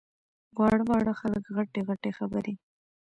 واړه واړه خلک غټې غټې خبرې!